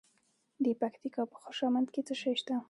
د پکتیکا په خوشامند کې څه شی شته؟